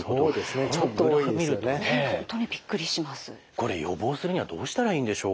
これ予防するにはどうしたらいいんでしょう？